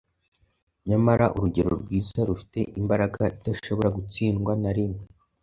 nyamara urugero rwiza rufite imbaraga idashobora gutsindwa na rimwe.